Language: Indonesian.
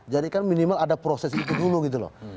kan minimal ada proses itu dulu gitu loh